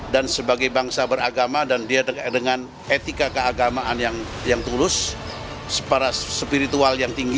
dengan seadil adilnya imparsial